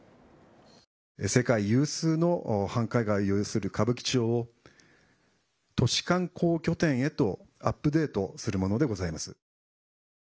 世界有数の繁華街を有する歌舞伎町を都市観光拠点へとアップデートするものでございます。